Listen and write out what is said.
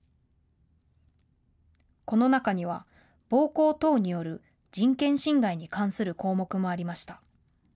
この中には暴行等による人権侵害に関する項目もありました。